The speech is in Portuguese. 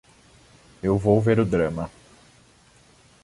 Eu vou ver o drama.